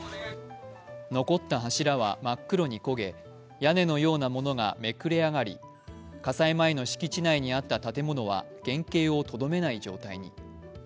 残った柱は真っ黒に焦げ屋根のようなものがめくれ上がり火災前の敷地内にあった建物は原型をとどめない状態に。